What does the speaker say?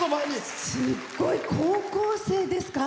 すっごい高校生ですか？